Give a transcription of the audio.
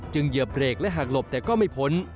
เหยียบเบรกและหากหลบแต่ก็ไม่พ้น